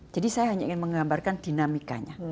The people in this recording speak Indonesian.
jadi saya hanya ingin menggambarkan dinamikanya